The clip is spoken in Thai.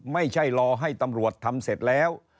ไม่ใช่รอให้ตำรวจทำเสร็จแล้ว